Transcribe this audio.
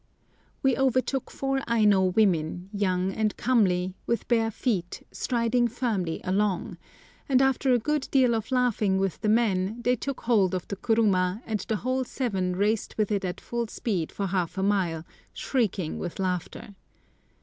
We overtook four Aino women, young and comely, with bare feet, striding firmly along; and after a good deal of laughing with the men, they took hold of the kuruma, and the whole seven raced with it at full speed for half a mile, shrieking with laughter.